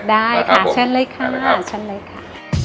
ได้ค่ะฉันเลยค่ะ